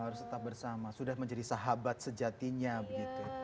harus tetap bersama sudah menjadi sahabat sejatinya begitu